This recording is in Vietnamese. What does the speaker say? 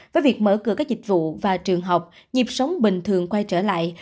với việc mở cửa các dịch vụ và trường học nhịp sống bình thường quay trở lại